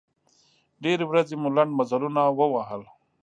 ډېرې ورځې مو لنډ مزلونه ووهل.